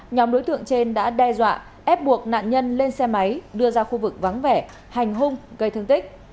nhóm đối tượng trên đã đe dọa ép buộc nạn nhân lên xe máy đưa ra khu vực vắng vẻ hành hung gây thương tích